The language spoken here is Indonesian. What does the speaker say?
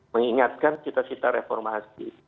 mengingatkan cita cita reformasi